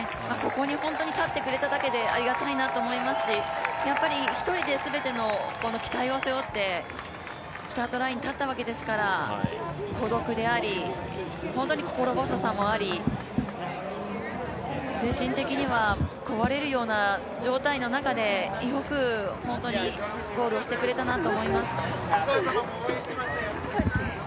ここに本当に立ってくれただけでありがたいと思いますしやっぱり１人で全ての期待を背負ってスタートラインに立ったわけですから孤独であり、本当に心細さもあり精神的には壊れるような状態の中でよく、本当にゴールをしてくれたなと思います。